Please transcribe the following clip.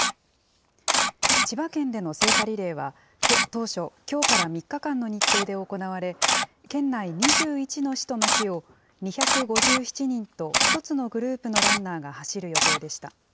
千葉県での聖火リレーは、当初、きょうから３日間の日程で行われ、県内２１の市と町を、２５７人と１つのグループのランナーが走る予定でした。